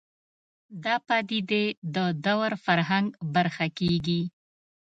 دا پدیدې د دور فرهنګ برخه کېږي